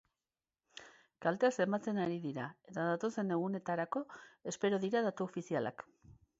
Kalteak zenbatzen ari dira, eta datozen egunetarako espero dira datu ofizialak.